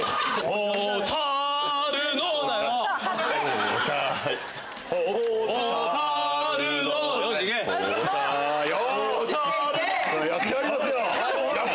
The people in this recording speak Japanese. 蛍のやってやりますよ！